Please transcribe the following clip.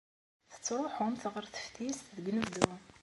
Tettruḥumt ɣer teftist deg unebdu.